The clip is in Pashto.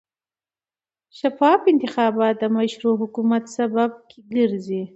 شفاف انتخابات د مشروع حکومت سبب ګرځي